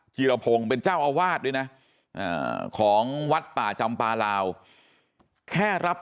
ีรพงศ์เป็นเจ้าอาวาสด้วยนะของวัดป่าจำปลาลาวแค่รับ